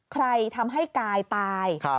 ทำให้กายตาย